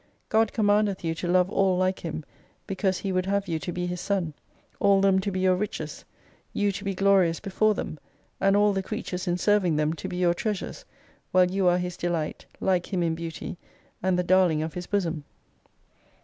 God commandeth you to love all like Him, because He would have you to be His Son, all them to be your riches, you to be glorious before them, and all the creatures in serving them to be your treasures, while you are His delight, like Him in beauty, and the darling of His bosom.